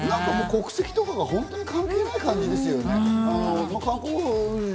国籍とか本当に関係ない感じですよね。